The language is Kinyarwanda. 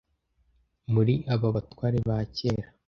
muri aba batware ba kera